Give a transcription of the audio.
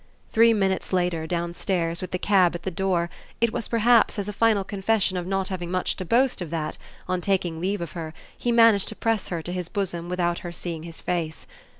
Three minutes later, downstairs, with the cab at the door, it was perhaps as a final confession of not having much to boast of that, on taking leave of her, he managed to press her to his bosom without her seeing his face.